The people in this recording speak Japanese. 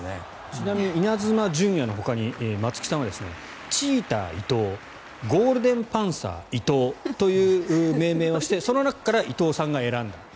ちなみにイナズマ純也のほかに松木さんはチーター伊東ゴールデンパンサー伊東という命名をしてその中から伊東さんが選んだ。